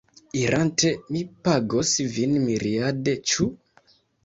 Irante, mi pagos vin miriade. Ĉu?